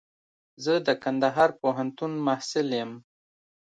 زه د کندهار پوهنتون محصل يم.